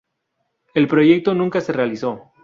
El proyecto nunca se realizó.